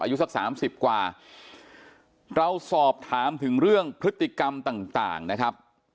อายุสักสามสิบกว่าเราสอบถามถึงเรื่องพฤติกรรมต่างนะครับ